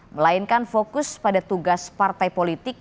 melainkan fokus pada tugas partai politik